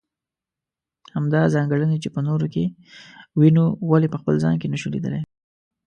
همدا ځانګړنې چې په نورو کې وينو ولې په خپل ځان کې نشو ليدلی.